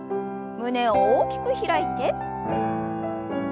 胸を大きく開いて。